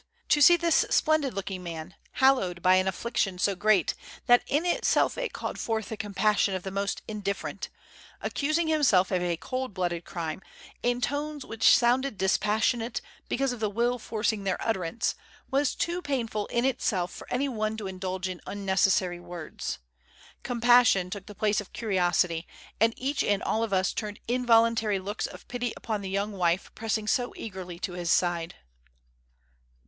To see this splendid looking man, hallowed by an affliction so great that in itself it called forth the compassion of the most indifferent, accusing himself of a cold blooded crime, in tones which sounded dispassionate because of the will forcing their utterance, was too painful in itself for any one to indulge in unnecessary words. Compassion took the place of curiosity, and each and all of us turned involuntary looks of pity upon the young wife pressing so eagerly to his side.